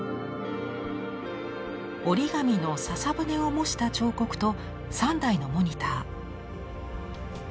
折り紙のささ舟を模した彫刻と３台のモニター。